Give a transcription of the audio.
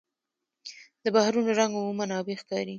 د بحرونو رنګ عموماً آبي ښکاري.